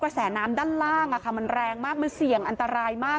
แสน้ำด้านล่างมันแรงมากมันเสี่ยงอันตรายมาก